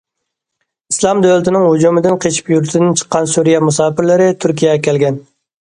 ئىسلام دۆلىتىنىڭ ھۇجۇمىدىن قېچىپ يۇرتىدىن چىققان سۈرىيە مۇساپىرلىرى تۈركىيەگە كەلگەن.